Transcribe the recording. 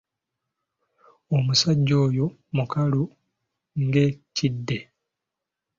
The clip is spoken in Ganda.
Omusajja oyo mukalu ng'ekide.